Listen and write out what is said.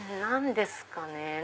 何ですかね？